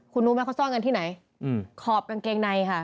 คุณรู้ไหมเขาซ่อนกันที่ไหนขอบกางเกงในค่ะ